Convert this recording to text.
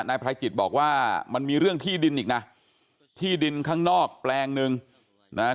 นายไพรจิตบอกว่ามันมีเรื่องที่ดินอีกนะที่ดินข้างนอกแปลงหนึ่งนะฮะ